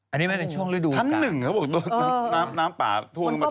อันนี้ไม่ได้ช่วงฤดูกาชั้นหนึ่งนะน้ำป่าท่วมมาชั้นหนึ่งเลยนะ